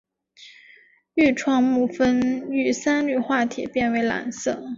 愈创木酚遇三氯化铁变为蓝色。